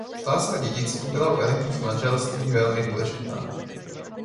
Otázka dědiců byla u elitních manželství velmi důležitá.